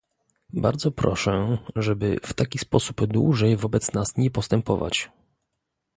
Bardzo proszę, żeby w taki sposób dłużej wobec nas nie postępować